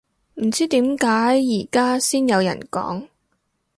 唔知點解而家先有人講